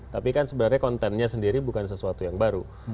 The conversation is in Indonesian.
tapi kan sebenarnya kontennya sendiri bukan sesuatu yang baru